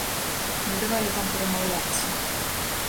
Не давалі там перамаўляцца.